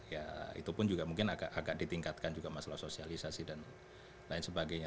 ya itu pun juga mungkin agak ditingkatkan juga masalah sosialisasi dan lain sebagainya